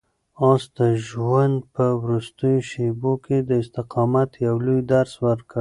آس د ژوند په وروستیو شېبو کې د استقامت یو لوی درس ورکړ.